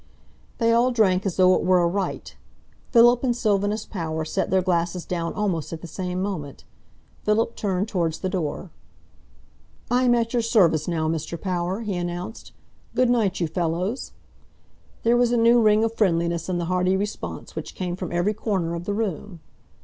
They all drank as though it were a rite. Philip and Sylvanus Power set their glasses down almost at the same moment. Philip turned towards the door. "I am at your service now, Mr. Power," he announced. "Good night, you fellows!" There was a new ring of friendliness in the hearty response which came from every corner of the room.